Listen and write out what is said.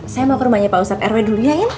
saya mau ke rumahnya pak ustadz rw dulu ya